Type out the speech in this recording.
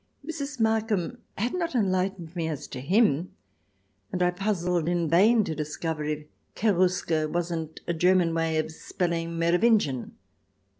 Mrs. Markham had not en lightened me as to him, and I puzzled in vain to discover if Cherusker wasn't a German way of spelling Merovingian.